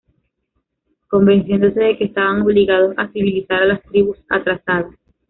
convenciéndose de que estaban obligados a civilizar a las tribus “atrasadas“